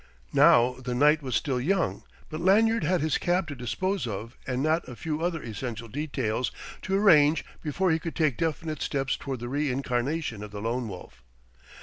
Now the night was still young, but Lanyard had his cab to dispose of and not a few other essential details to arrange before he could take definite steps toward the reincarnation of the Lone Wolf.